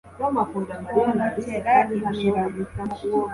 twomokera i mira